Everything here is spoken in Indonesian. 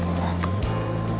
nama aku adalah samuel